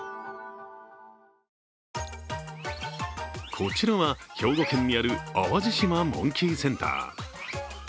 こちらは兵庫県にある淡路島モンキーセンター。